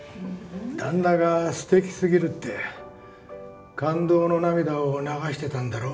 旦那が素敵すぎるって感動の涙を流してたんだろ。